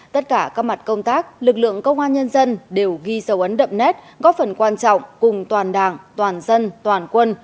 tất cả các mặt công tác lực lượng công an nhân dân đều ghi dấu ấn đậm nét góp phần quan trọng cùng toàn đảng toàn dân toàn quân